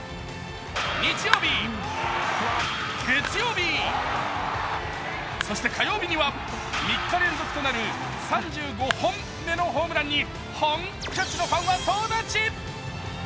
日曜日、月曜日、そして火曜日には３日連続となる３５本目のホームランに、本拠地のファンは総立ち。